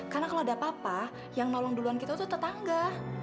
karena kalau ada papa yang nolong duluan kita tuh tetangga